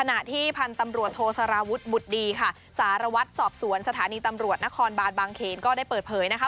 อัมรวจนครบาลบังเชนก็ได้เปิดเผยนะคะ